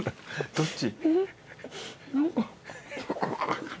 どっち？